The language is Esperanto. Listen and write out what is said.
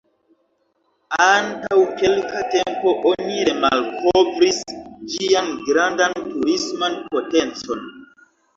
Antaŭ kelka tempo oni remalkovris ĝian grandan turisman potencon.